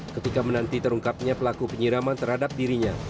ketika menanti terungkapnya pelaku penyiraman terhadap dirinya